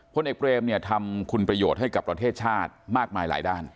พลเอกเบรมเนี่ยทำคุณประโยชน์ให้กับประเทศชาติมากมายหลายด้าน